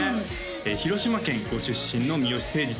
広島県ご出身の美良政次さん